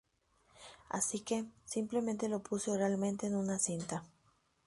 Así que, simplemente lo puse oralmente en una cinta".